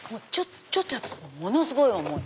ちょっとやっただけでものすごい重い。